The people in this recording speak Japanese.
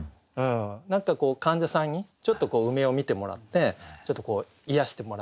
何かこう患者さんにちょっと梅を見てもらってちょっと癒やしてもらいたいなみたいな。